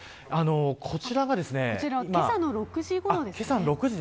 こちら、けさの６時ごろです。